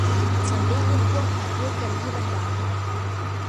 ฉันได้ยินพวกเขาพูดกันที่บันได